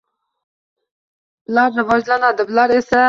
Ular rivojlanadi, bular esa...